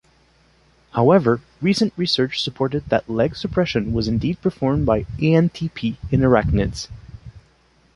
However, recent research supported that leg suppression was indeed performed by Antp in arachnids.